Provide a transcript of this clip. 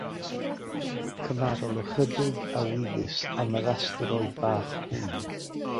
Cymharol ychydig a wyddys am yr asteroid bach hwn.